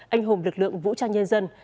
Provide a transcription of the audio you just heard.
anh hùng lực lượng vũ trang nhân dân